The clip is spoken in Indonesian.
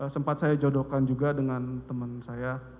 sempat saya jodohkan juga dengan teman saya